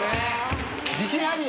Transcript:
自信あり？